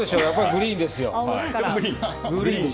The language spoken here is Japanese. グリーンですよ。